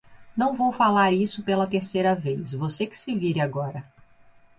Não vou falar isso pela terceira vez, você que se vire agora.